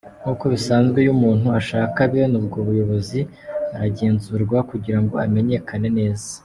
Nkuko bisanzwe iyo umuntu ashaka bene ubwo buyobozi aragenzurwa kugirango amenyekane neza.